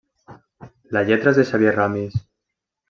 La lletra és de Xavier Ramis.